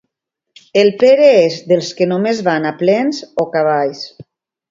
El Pere és dels que només van a plens o cavalls.